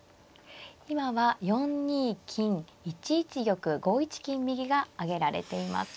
今は４二金１一玉５一金右が挙げられています。